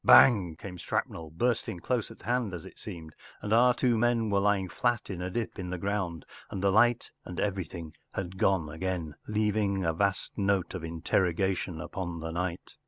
Bang came shrapnel, bursting dose at hand as it seemed, and our two men were lying flat in a dip in the ground, and the light and everything had gone again, leaving a vast note of interrogation upon the night.